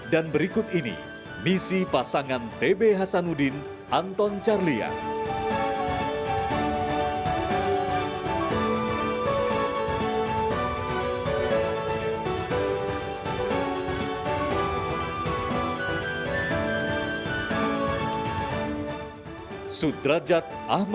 dan berikut ini misi pasangan t b hasanuddin anton carliat